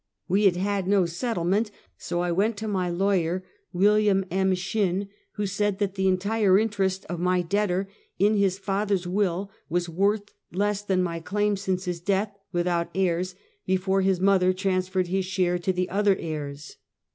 "We had had no settlement, so I went to my lawyer, William M. Shinn, who said that the entire interest of my debtor in his father's will was worth less than my claim since his death, without heirs, before his mother, transferred his share to the other heirs.